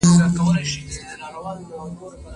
دا کتابونه په بېلابېلو ژبو ژباړل سوي دي.